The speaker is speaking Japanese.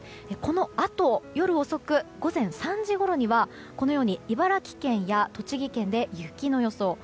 このあと、夜遅く午前３時ごろにはこのように茨城県や栃木県で雪の予想。